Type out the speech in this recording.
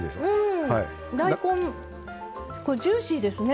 大根、ジューシーですね。